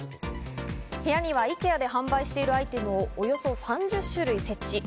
部屋にはイケアで販売しているアイテム、およそ３０種類設置。